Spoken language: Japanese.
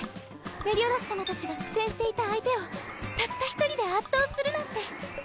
メリオダス様たちが苦戦していた相手をたった一人で圧倒するなんて。